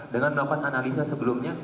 dengan melakukan analisa sebelumnya